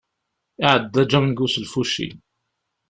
Iεedda Django s lfuci.